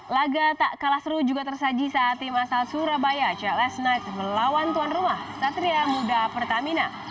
laga tak kalah seru juga tersaji saat tim asal surabaya cls knight melawan tuan rumah satria muda pertamina